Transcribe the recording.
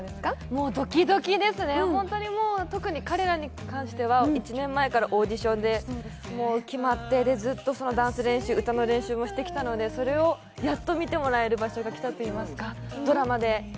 もうドキドキですね、ホントにもう彼らに関しては１年前からオーディションで決まって、ずっとダンス練習、歌の練習もしてきたので、それをやっと見てもらえる場所が来たといいますか、ドラマで。